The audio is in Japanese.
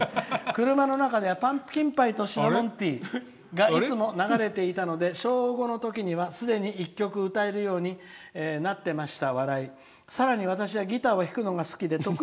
車の中では「パンプキン・パイとシナモン・ティー」がいつも流れていたので小５の時にはすでに１曲歌えるようになってました